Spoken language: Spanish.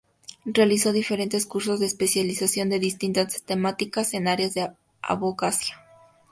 Realizó diferentes cursos de especialización de distintas temáticas en áreas de abogacía.